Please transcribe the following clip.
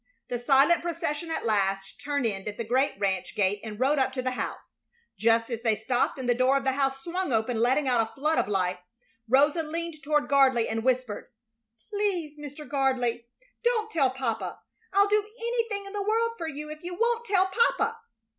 The silent procession at last turned in at the great ranch gate and rode up to the house. Just as they stopped and the door of the house swung open, letting out a flood of light, Rosa leaned toward Gardley and whispered: "Please, Mr. Gardley, don't tell papa. I'll do anything in the world for you if you won't tell papa."